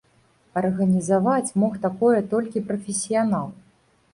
Арганізаваць мог такое толькі прафесіянал.